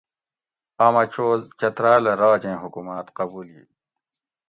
آمہ چو چتراۤلہ راجیں حکوماۤت قبولی